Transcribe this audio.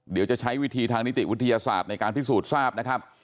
เดี๋ยวจะใช้วิธีทางนิติวิทยาศาสตร์ในการพิสูจน์ทราบนะครับ